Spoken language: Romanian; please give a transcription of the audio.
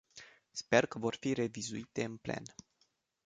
Sper că vor fi revizuite în plen.